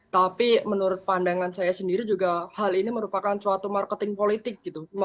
tapi menurut pandangan saya sendiri juga hal ini merupakan suatu marketing politik gitu